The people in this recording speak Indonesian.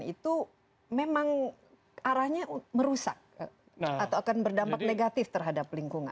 itu memang arahnya merusak atau akan berdampak negatif terhadap lingkungan